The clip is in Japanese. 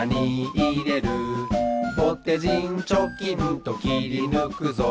「ぼてじんちょきんときりぬくぞ」